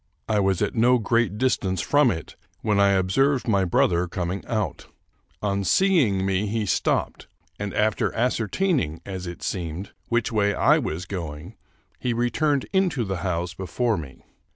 I was at no great distance from it when I observed my brother coming out. 276 Charles Brockdcn Brown On seeing me he stopped, and, after ascertaining, as it seemed, which way I was going, he returned into the house before me.